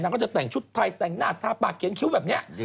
ก็จะแต่งชุดไทยแต่งหน้าทาปากเขียนคิ้วแบบนี้